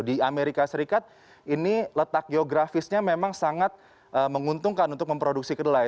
di amerika serikat ini letak geografisnya memang sangat menguntungkan untuk memproduksi kedelai